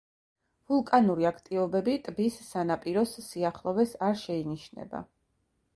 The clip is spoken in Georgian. ვულკანური აქტივობები ტბის სანაპიროს სიახლოვეს არ შეინიშნება.